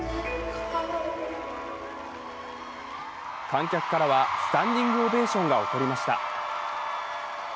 観客からは、スタンディングオベーションが起こりました。